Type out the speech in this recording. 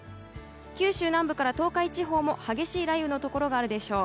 九州南部から東海地方も激しい雷雨のところがあるでしょう。